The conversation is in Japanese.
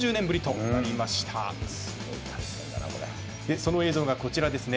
その映像がこちらですね。